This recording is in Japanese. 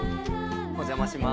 お邪魔します。